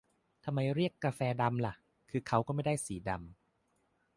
ทำไมเรียกกาแฟดำล่ะ คือเค้าก็ไม่ได้สีดำ